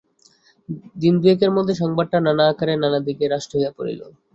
দিন-দুয়েকের মধ্যে সংবাদটা নানা আকারে নানা দিকে রাষ্ট্র হইয়া পড়িল।